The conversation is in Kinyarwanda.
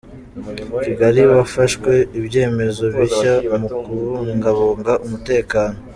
Kigali Hafashwe ibyemezo bishya mu kubungabunga umutekano